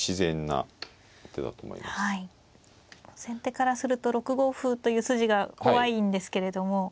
先手からすると６五歩という筋が怖いんですけれども。